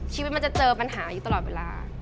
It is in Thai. ชีวิตมันจะเจอปัญหาอยู่ตลอดเวลา